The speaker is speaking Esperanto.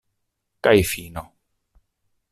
Kaj fino.